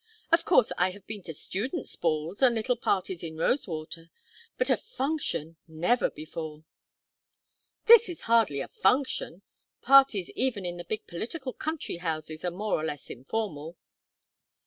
Of course I have been to students' balls, and little parties in Rosewater. But a function never before." "This is hardly a function parties even in the big political country houses are more or less informal."